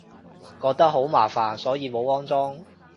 覺得好麻煩，所以冇安裝